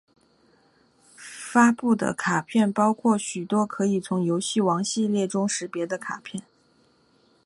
发布的卡片包含许多可以从游戏王系列中识别的卡片！